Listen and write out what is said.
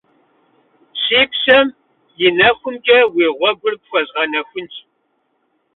Си псэм и нэхумкӏэ, уи гъуэгур пхуэзгъэнэхунщ.